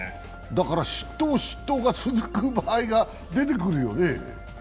だから失投失投が続く場合が出てくるよね。